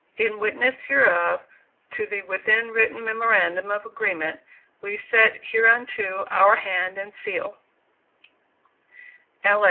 In witness hereof to the within written memorandum of agreement we set hereunto our hand and seal. [L.